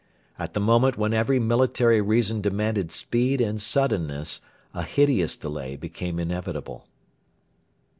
At the moment when every military reason demanded speed and suddenness, a hideous delay became inevitable.